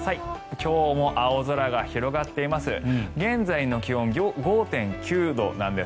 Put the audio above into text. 今日も青空が広がっています。